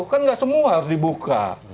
kan nggak semua harus dibuka